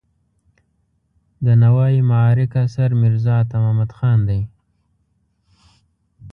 د نوای معارک اثر میرزا عطا محمد خان دی.